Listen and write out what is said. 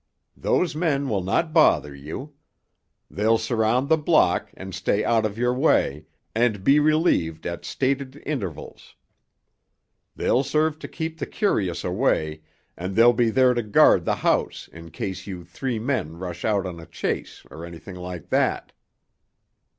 Those men will not bother you. They'll surround the block and stay out of your way, and be relieved at stated intervals. They'll serve to keep the curious away, and they'll be there to guard the house in case you three men rush out on a chase or anything like that."